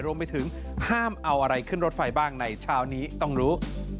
รวมไปถึงห้ามเอาอะไรขึ้นรถไฟบ้างในเช้านี้ต้องรู้